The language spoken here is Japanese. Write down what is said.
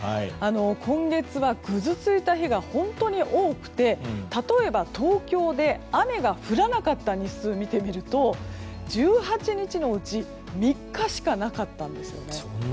今月はぐずついた日が本当に多くて例えば、東京で雨が降らなかった日数を見てみると１８日のうち３日しかなかったんです。